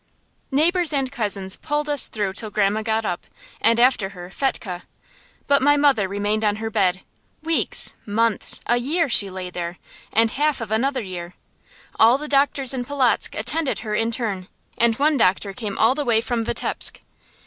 Neighbors and cousins pulled us through till grandma got up, and after her, Fetchke. But my mother remained on her bed. Weeks, months, a year she lay there, and half of another year. All the doctors in Polotzk attended her in turn, and one doctor came all the way from Vitebsk.